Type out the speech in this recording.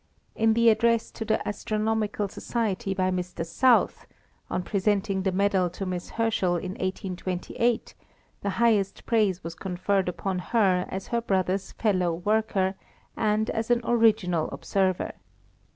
In the address to the Astronomical Society by Mr. South, on presenting the medal to Miss Herschel in 1828, the highest praise was conferred upon her as her brother's fellow worker, and as an original observer.